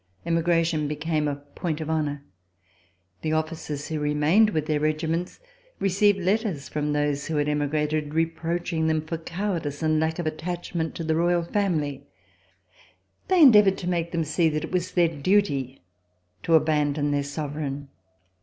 Emigration became a point of honor. The officers who remained with their regiments received letters from those who had em igrated, reproaching them for cowardice and lack of attachment to the Royal family. They endeavored to make them see that it was their duty to abandon their sovereign.